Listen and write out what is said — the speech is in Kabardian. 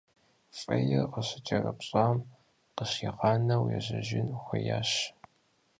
Фӏейр къыщыкӏэрыпщӏам къыщигъанэу ежьэжын хуеящ.